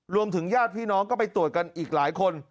ญาติพี่น้องก็ไปตรวจกันอีกหลายคน